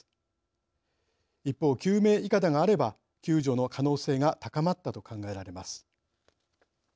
一方救命いかだがあれば救助の可能性が高まったと考えられます。